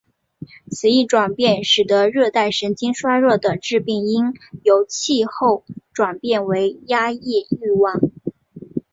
此一转变使得热带神经衰弱的致病因由气候转变为压抑欲望。